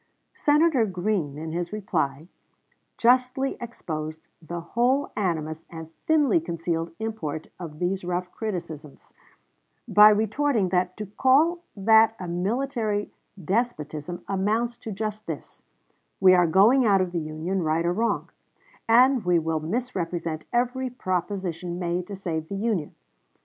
Senator Green, in his reply, justly exposed the whole animus and thinly concealed import of these rough criticisms, by retorting that, to call that a military despotism amounts to just this: we are going out of the Union, right or wrong, and we will misrepresent every proposition made to save the Union.